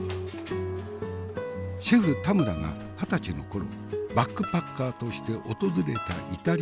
シェフ田村が二十歳の頃バックパッカーとして訪れたイタリア・トスカーナ地方。